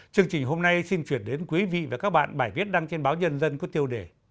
chương trình hôm nay xin chuyển đến quý vị và các bạn bài viết đăng trên báo nhân dân có tiêu đề